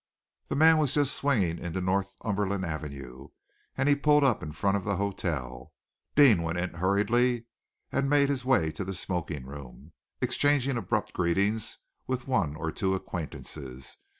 The man was just swinging into Northumberland Avenue, and he pulled up in front of the hotel. Deane went in hurriedly, and made his way to the smoking room, exchanging abrupt greetings with one or two acquaintances.